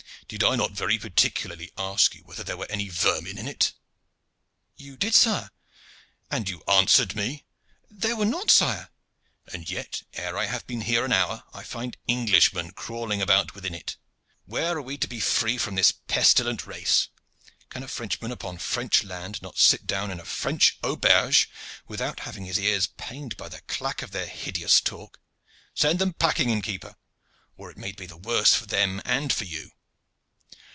"Did I not very particularly ask you whether there were any vermin in it?" "You did, sire." "And you answered me?" "That there were not, sire." "And yet ere I have been here an hour I find Englishmen crawling about within it. Where are we to be free from this pestilent race? Can a Frenchman upon French land not sit down in a French auberge without having his ears pained by the clack of their hideous talk? Send them packing, inn keeper, or it may be the worse for them and for you."